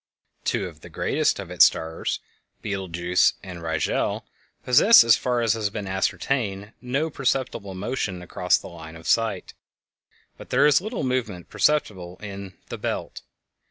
Two of the greatest of its stars, Betelgeuse and Rigel, possess, as far as has been ascertained, no perceptible motion across the line of sight, but there is a little movement perceptible in the "Belt."